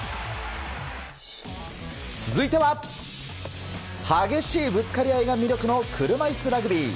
続いては激しいぶつかり合いが魅力の車いすラグビー。